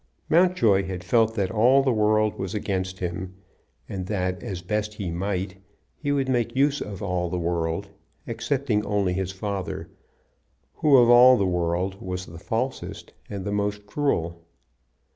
Mountjoy had felt that all the world was against him, and that, as best he might, he would make use of all the world, excepting only his father, who of all the world was the falsest and the most cruel.